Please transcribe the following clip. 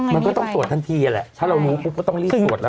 มันก็ต้องตรวจทันทีแหละ